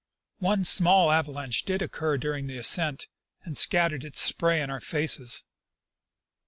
One small avalanche did occur during the ascent, and scattered its spray in our faces.